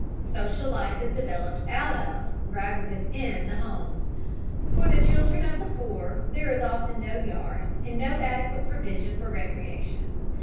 Social life is developed out of, rather than in, the home. For the children of the poor there is often no yard and no adequate provision for recreation.